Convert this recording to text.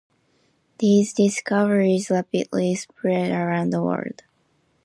These discoveries rapidly spread around the world.